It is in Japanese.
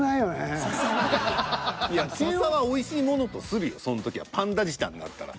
笹はおいしいものとするよその時はパンダ舌になったら。